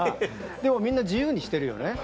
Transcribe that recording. でもみんな自由にしてるよね。